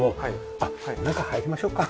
あっ中入りましょうか。